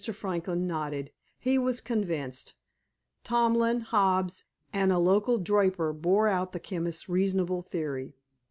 Franklin nodded. He was convinced. Tomlin, Hobbs, and a local draper bore out the chemist's reasonable theory.